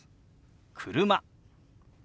「車」。